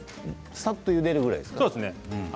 さっとゆでるぐらいですか。